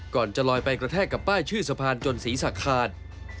ก่อนจะลอยไปกระแทกกับป้ายชื่อสะพานจนศีรษะขาด